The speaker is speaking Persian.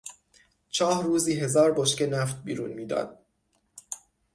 چاه روزی هزار بشکه نفت بیرون میداد.